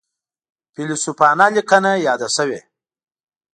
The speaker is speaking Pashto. فیلسوفانو لیکنو یاده شوې.